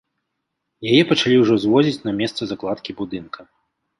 Яе пачалі ўжо звозіць на месца закладкі будынка.